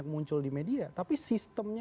muncul di media tapi sistemnya